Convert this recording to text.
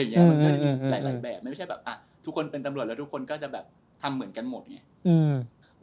มันก็จะมีหลายแบบไม่ใช่แบบทุกคนเป็นตำรวจแล้วทุกคนก็จะแบบทำเหมือนกันหมดไง